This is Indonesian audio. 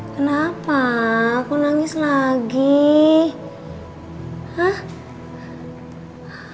kenapa kok nangis lagi hah